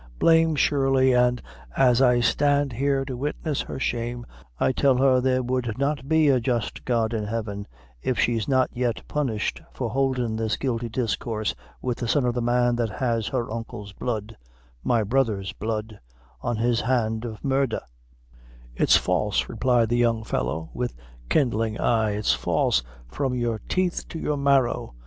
Blame! surely, an' as I stand here to witness her shame, I tell her that there would not be a just God in Heaven, if she's not yet punished for holdin' this guilty discoorse with the son of the man that has her uncle's blood my brother's blood on his hand of murdher " [Illustration: PAGE 785 "It's false," replied the young fellow] "It's false," replied the young fellow, with kindling eye; "it's false, from your teeth to your marrow.